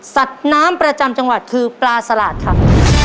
สัตว์น้ำประจำจังหวัดคือปลาสลาดค่ะ